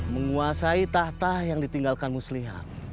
menguasai tahta yang ditinggalkan muslihat